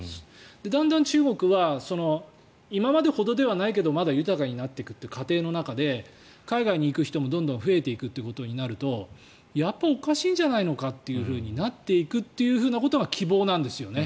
だんだん中国は今までほどではないけどまだ豊かになっていく過程の中で海外に行く人もどんどん増えていくということになるとやっぱりおかしいんじゃないのかとなっていくということが希望なんですよね。